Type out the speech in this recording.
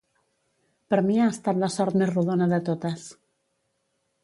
Per mi ha estat la sort més rodona de totes.